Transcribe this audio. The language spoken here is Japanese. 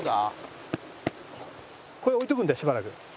これで置いておくんだよしばらく。